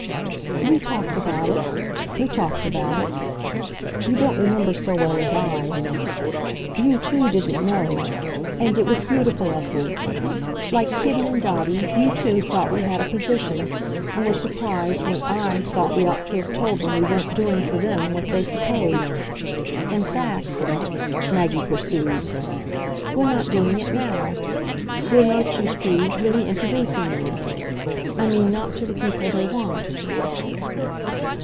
"We talked about it we talked about it; you don't remember so well as I. You too didn't know and it was beautiful of you; like Kitty and Dotty you too thought we had a position, and were surprised when I thought we ought to have told them we weren't doing for them what they supposed. In fact," Maggie pursued, "we're not doing it now. We're not, you see, really introducing them. I mean not to the people they want."